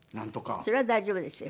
それは大丈夫ですよ。